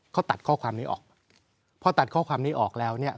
เขาตัดข้อความนี้ออกพอตัดข้อความนี้ออกแล้วเนี่ย